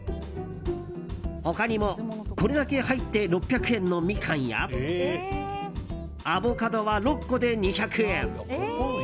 他にもこれだけ入って６００円のミカンやアボカドは６個で２００円。